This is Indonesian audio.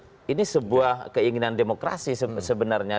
partai politik dibentuk ini sebuah keinginan demokrasi sebenarnya